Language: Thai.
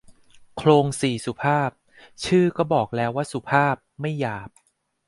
โคลงสี่สุภาพ ชื่อก็บอกแล้วว่าสุภาพ ไม่หยาบ